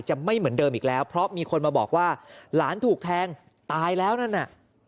ไม่เหมือนเดิมอีกแล้วเพราะมีคนมาบอกว่าหลานถูกแทงตายแล้วนั่นน่ะ